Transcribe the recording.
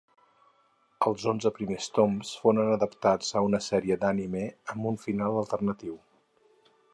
Els onze primers toms foren adaptats a una sèrie d'anime amb un final alternatiu.